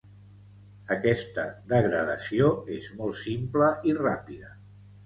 Aquesta degradació és molt simple i ràpida.